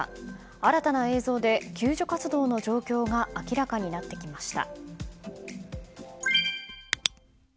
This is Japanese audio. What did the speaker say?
新たな映像で救助活動の状況が明らかになってきました。